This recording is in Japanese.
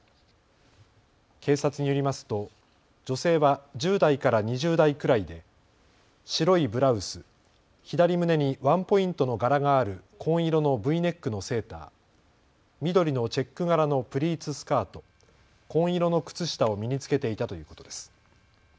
警察によりますと女性は１０代から２０代くらいで白いブラウス、左胸にワンポイントの柄がある紺色のＶネックのセーター、緑のチェック柄のプリーツスカート、紺色の靴下を身に着けていたということです。